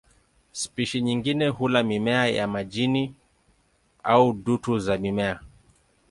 Spishi nyingine hula mimea ya majini au dutu za mimea.